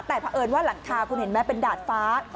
แต่เพราะเอิญว่าหลังคาคุณเห็นไหมเป็นดาดฟ้า